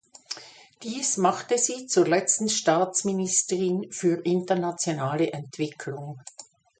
Dies machte sie zur letzten Staatsministerin für internationale Entwicklung.